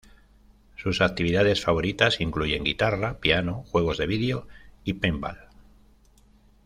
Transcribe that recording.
Sus actividades favoritas incluyen guitarra, piano, juegos de video y paintball.